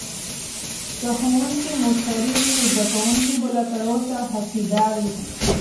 که ښوونکې مؤثرې وي، نو زدکونکي به لا تر اوسه هڅیده وي.